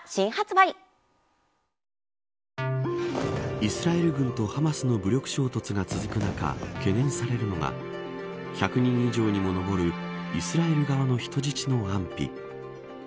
イスラエル軍とハマスの武力衝突が続く中懸念されるのが１００人以上にも上るイスラエル側の人質の安否。